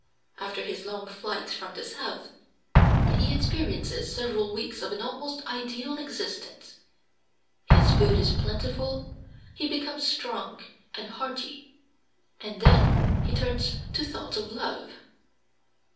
After his long flight from the South he experiences several weeks of an almost ideal existence, his food is plentiful, he becomes strong and hearty, and then he turns to thoughts of love.